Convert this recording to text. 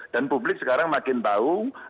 dan publik sekarang makin tahu